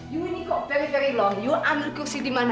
you ini kok very very long you ambil kursi di mana